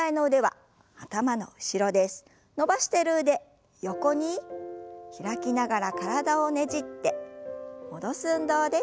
伸ばしてる腕横に開きながら体をねじって戻す運動です。